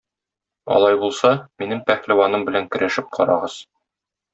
Алай булса, минем пәһлеваным белән көрәшеп карагыз.